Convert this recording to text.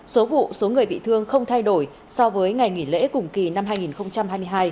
số vụ số người bị thương không thay đổi so với ngày nghỉ lễ cùng kỳ năm hai nghìn hai mươi hai